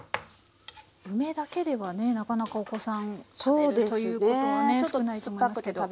梅だけではねなかなかお子さん食べるということはね少ないと思いますけど。